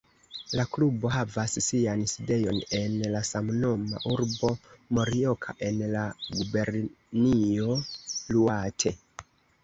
La klubo havas sian sidejon en la samnoma urbo Morioka en la gubernio Iŭate.